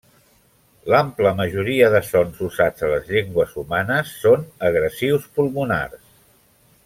L'ampla majoria de sons usats a les llengües humanes són egressius pulmonars.